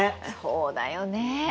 そうだよね。